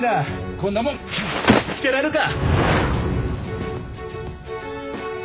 こんなもん着てられるか。